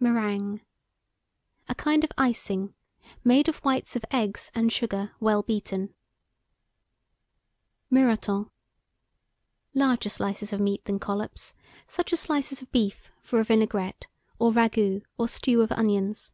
MERINGUE. A kind of icing, made of whites of eggs and sugar, well beaten. MIROTON. Larger slices of meat than collops; such as slices of beef for a vinaigrette, or ragout or stew of onions.